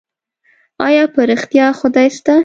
ايا په رښتيا خدای سته؟